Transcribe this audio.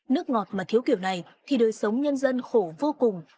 nước ngọt mà thiếu kiểu này thì đời sống nhân dân khổ vô cùng